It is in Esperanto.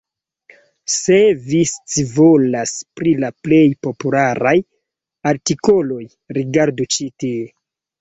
Se vi scivolas pri la plej popularaj artikoloj, rigardu ĉi tie.